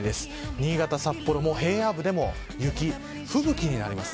新潟、札幌、平野部でも雪、吹雪になります。